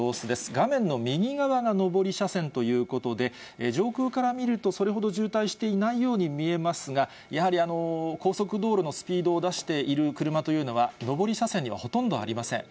画面の右側が上り車線ということで、上空から見るとそれほど渋滞していないように見えますが、やはり高速道路のスピードを出している車というのは、上り車線にはほとんどありません。